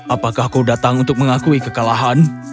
apakah kau datang untuk mengakui kekalahan